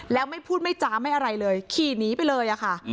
แล้วไม่พูดไม่จ้าไม่อะไรเลยขี่หนีไปเลยค่ะ